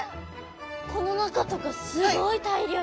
この中とかすごい大量にいる！